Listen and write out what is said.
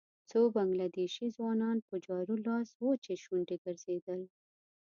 څو بنګله دېشي ځوانان په جارو لاس وچې شونډې ګرځېدل.